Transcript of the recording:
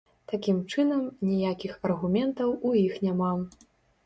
Такім чынам, ніякіх аргументаў у іх няма.